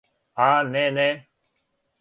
А не, не!